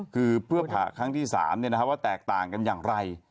คือเพื่อผ่าครั้งที่๓ว่าแตกต่างกันอย่างไร